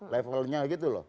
levelnya gitu loh